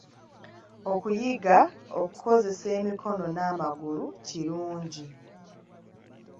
Okuyiga okukozesa emikono n’amagulu kirungi.